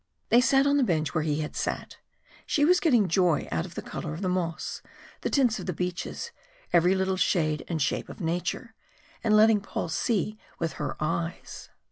They sat on the bench where he had sat. She was getting joy out of the colour of the moss, the tints of the beeches, every little shade and shape of nature, and letting Paul see with her eyes.